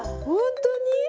ほんとに？